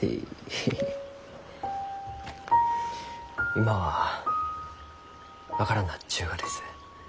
今は分からんなっちゅうがです。